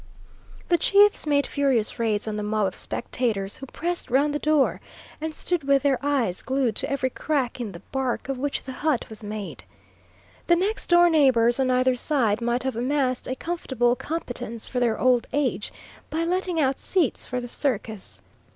The chiefs made furious raids on the mob of spectators who pressed round the door, and stood with their eyes glued to every crack in the bark of which the hut was made. The next door neighbours on either side might have amassed a comfortable competence for their old age, by letting out seats for the circus.